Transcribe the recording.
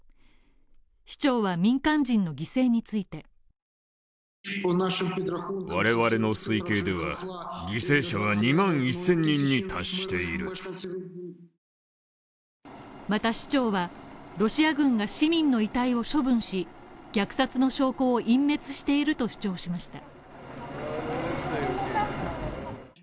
市長は民間人の犠牲についてまた市長は、ロシア軍が市民の遺体を処分し虐殺の証拠を隠滅していると主張しました。